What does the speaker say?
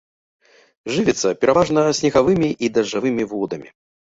Жывіцца пераважна снегавымі і дажджавымі водамі.